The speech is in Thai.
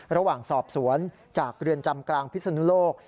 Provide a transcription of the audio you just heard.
ระหว่างสอบสวนจากเรือนจำกลางพิศนุโลก